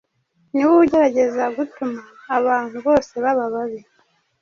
Ni we ugerageza gutuma abantu bose baba babi.